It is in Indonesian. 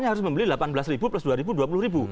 harus membeli rp delapan belas plus rp dua rp dua puluh